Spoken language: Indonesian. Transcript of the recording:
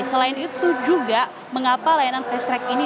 selain itu juga mengapa layanan fast track ini